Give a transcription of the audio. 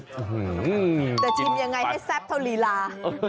ก็ยังไงให้แซ่บเท่าหรีลา